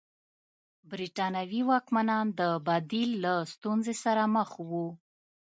برېټانوي واکمنان د بدیل له ستونزې سره مخ وو.